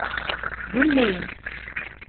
Gülmeyin!